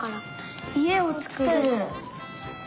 いえをつくる！